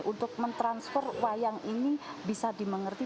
untuk mentransfer wayang ini bisa dimengerti